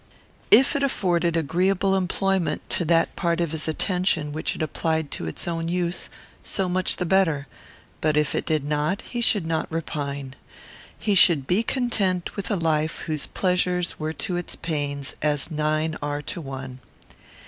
If it afforded agreeable employment to that part of his attention which it applied to its own use, so much the better; but, if it did not, he should not repine. He should be content with a life whose pleasures were to its pains as nine are to one.